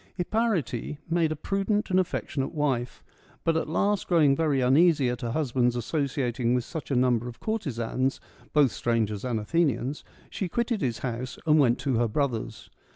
Hipparete made a prudent and affectionate wife; — but at last growing very uneasy at her husband's associating with such a number of courtesans, both strangers and Athenians, she quitted his house and went to her brother's.